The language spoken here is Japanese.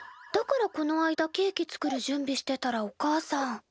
だからこの間ケーキ作る準備してたらおかあさん。